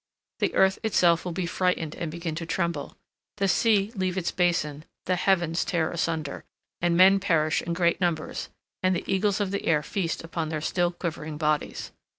The earth itself will be frightened and begin to tremble, the sea leave its basin, the heavens tear asunder, and men perish in great numbers, and the eagles of the air feast upon their still quivering bodies.